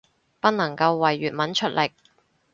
不能夠為粵文出力